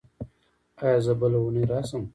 ایا زه بله اونۍ راشم؟